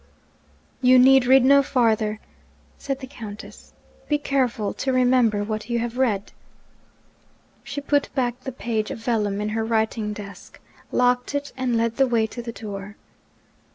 'You need read no farther,' said the Countess. 'Be careful to remember what you have read.' She put back the page of vellum in her writing desk, locked it, and led the way to the door.